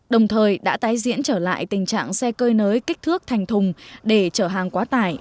đồng thời đã tái diễn trở lại tình trạng xe cơi nới kích thước thành thùng để trở hàng quá tải